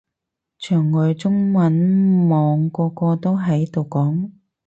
牆外中文網個個都喺度講